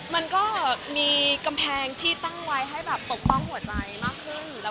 มันก็มีกำแพงที่ตั้งไว้ให้แบบปกป้องหัวใจมากขึ้น